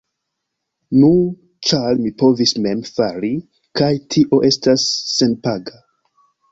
Nu, ĉar mi povis mem fari kaj tio estas senpaga.